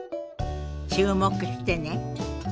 注目してね。